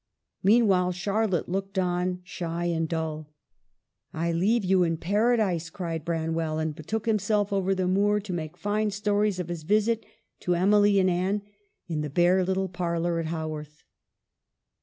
Meanwhile Charlotte looked on, shy and dull. " I leave you in Paradise !" cried Branwell, and betook himself over the moor to make fine stories of his visit to Emily and Anne in the bare little parlor at Haworth.